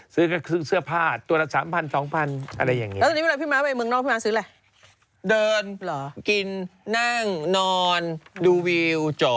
เสื้อผ้าตัวละ๓๐๐๒๐๐อะไรอย่างนี้